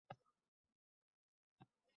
Mayli, baxtingni top, omadingni bersin...